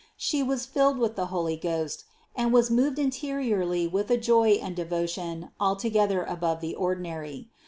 She was filled with the Holy Ghost and was moved in teriorly with a joy and devotion altogether above the ordinary.